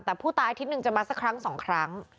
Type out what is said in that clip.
แต่ผู้ตายอาทิตย์หนึ่งจะมาสักครั้งสองครั้ง